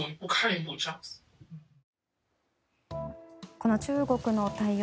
この中国の対応